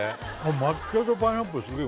抹茶とパイナップルすげえ